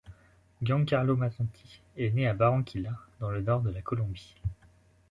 Giancarlo Mazzanti est né à Barranquilla, dans le nord de la Colombie.